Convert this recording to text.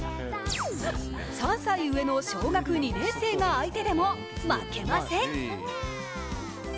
３歳上の小学２年生が相手でも負けません。